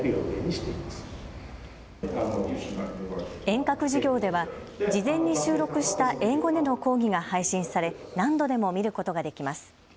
遠隔授業では事前に収録した英語での講義が配信され何度でも見ることができます。